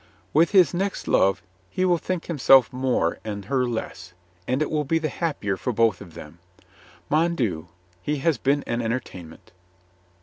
"With his next love, he will think himself more and her less, and it will be the happier for both of them. Mon Dieu, he has been an entertainment